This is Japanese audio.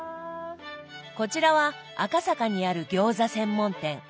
こちらは赤坂にある餃子専門店。